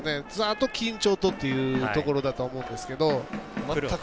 あと緊張とっていうところだと思うんですけど。